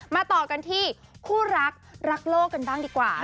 ต่อกันที่คู่รักรักโลกกันบ้างดีกว่า